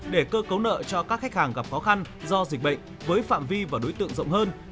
để cơ cấu nợ cho các khách hàng gặp khó khăn do dịch bệnh với phạm vi và đối tượng rộng hơn